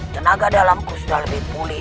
tenaga dalamku sudah lebih pulih